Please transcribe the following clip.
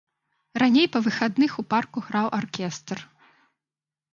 Раней па выхадных у парку граў аркестр.